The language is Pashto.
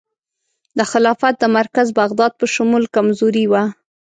د خلافت د مرکز بغداد په شمول کمزوري وه.